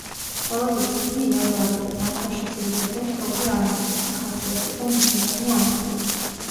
ყველაზე ცივი იანვარია, ზამთარში ძირითადად თოვლი არ მოდის და ხასიათდება ნისლიანი ამინდით.